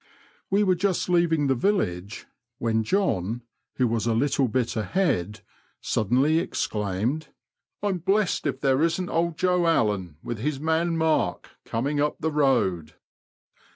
We were just leaving the village, when John, who was a little bit ahead, suddenly exclaimed, '< I'm blessed if there isn't old Joe Allen, with his man Mark, coming up the road.'